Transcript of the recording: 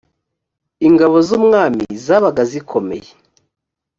ingabo z’ umwami zabaga zikomeye.